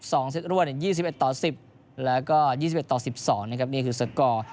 ๒เซตร่วน๒๑๑๐และ๒๑๑๒นี่คือสกอร์